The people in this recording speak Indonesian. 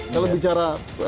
kami disini kita tidak bisa